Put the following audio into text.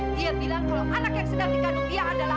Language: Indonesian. dia bilang kalau anak yang sedang dikandung dia adalah